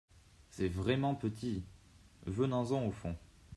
C’est vraiment petit ! Venons-en au fond.